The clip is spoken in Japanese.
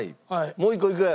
もう１個いく？